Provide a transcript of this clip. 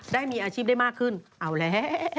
ได้มีอาชีพได้มากขึ้นเอาแล้ว